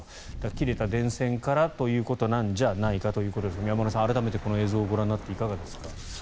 切れた電線からということなんじゃないかということですが山村さん、改めてこの映像をご覧になっていかがでしょうか。